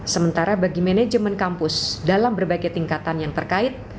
sementara bagi manajemen kampus dalam berbagai tingkatan yang terkait